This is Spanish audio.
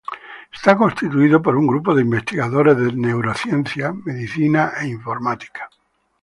Está constituido por un grupo de investigadores de neurociencia, medicina e informática.